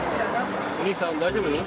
お兄さん、大丈夫？